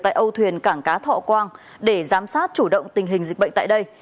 tại âu thuyền cảng cá thọ quang để giám sát chủ động tình hình dịch bệnh tại đây